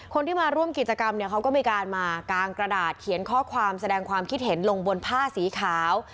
คนที่มาร่วมกิจกรรมเนี่ยเขาก็มีการมากางกระดาษเขียนข้อความแสดงความคิดเห็นลงบนผ้าสีขาว